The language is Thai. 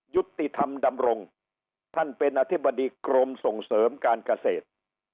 ยุติธรรมดำรงท่านเป็นอธิบดีกรมส่งเสริมการเกษตร